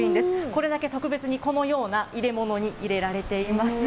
これだけ特別にこのような入れ物に入れられています。